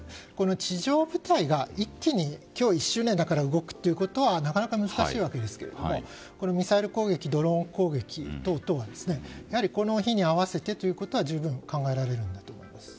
地上部隊が、一気に今日１周年だから動くということはなかなか難しいわけですがミサイル攻撃やドローン攻撃などはやはりこの日に合わせてということは十分考えられます。